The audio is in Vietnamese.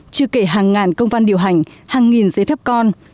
chưa kể hàng ngàn công văn điều hành hàng nghìn giấy phép con